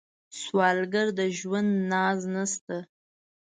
سوالګر د ژوند ناز نشته